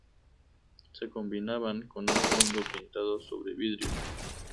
Se combinaban con un fondo pintado sobre vidrio.